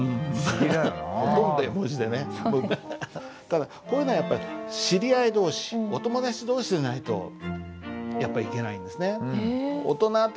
ただこういうのはやっぱり知り合い同士お友達同士じゃないとやっぱいけないんですね。